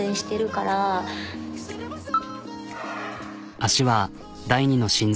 足は第２の心臓。